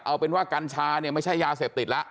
เอาเป็นว่ากัญชาเนี่ยไม่ใช่ยาเสพติดแล้ว